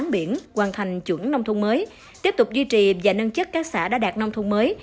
biển hoàn thành chuẩn nông thôn mới tiếp tục duy trì và nâng chất các xã đã đạt nông thôn mới